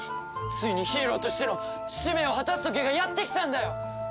ついにヒーローとしての使命を果たす時がやってきたんだよ！